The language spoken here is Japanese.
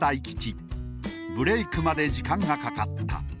ブレイクまで時間がかかった。